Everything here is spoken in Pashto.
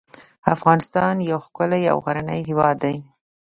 افغانستان یو ښکلی او غرنی هیواد دی .